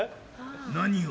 何を。